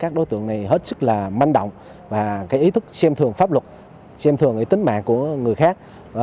các đối tượng này hết sức là manh động và ý thức xem thường pháp luật xem thường cái tính mạng của người khác